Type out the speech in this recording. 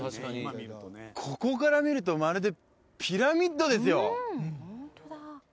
ここから見るとまるでピラミッドですよ